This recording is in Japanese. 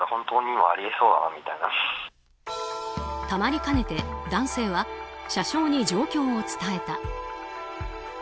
たまりかねて男性は車掌に状況を伝えた。